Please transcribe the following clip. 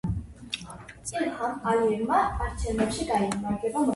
აყვავებულა მდელო აყვავებულან მთები მამულო საყვარელო შენ როსღა აყვავდები.